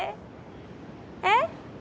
えっ？